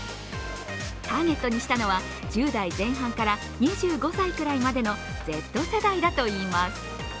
ターゲットにしたのは１０代前半から２５歳くらいまでのＺ世代だといいます。